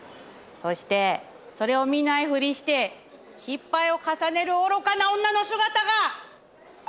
そしてそれを見ないふりして失敗を重ねる愚かな女の姿が！